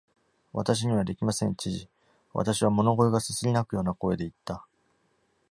「私にはできません、知事」私は物乞いがすすり泣くような声で言った。